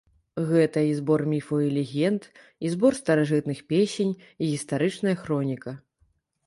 Гэта і збор міфаў і легенд, і збор старажытных песень, і гістарычная хроніка.